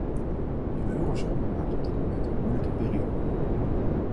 De eurozone maakt op dit moment een moeilijke periode door.